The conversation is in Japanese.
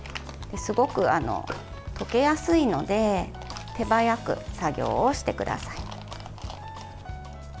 すごく溶けやすいので手早く作業をしてください。